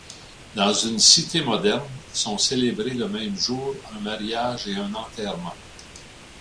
Dans une cité moderne, sont célébrés le même jour un mariage et un enterrement.